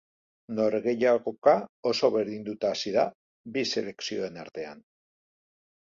Norgehiagoka oso berdinduta hasi da bi selekzioen artean.